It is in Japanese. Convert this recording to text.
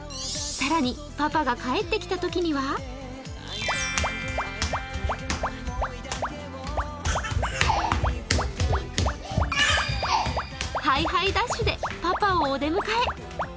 更に、パパが帰ってきたときにはハイハイダッシュでパパをお出迎え。